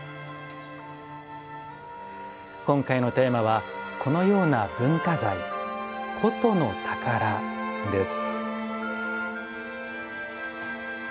今回のテーマはこのような文化財「古都の“宝”」です。